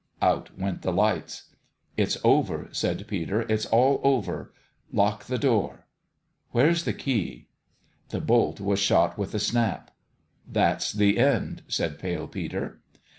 Out went the lights. " It's over," said Peter ;" it's all over. Lock the door. Where's the key ?" The bolt was shot with a snap. "That's the end," said Pale Peter.